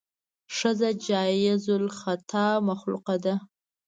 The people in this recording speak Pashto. ښځه جایز الخطا مخلوقه ده.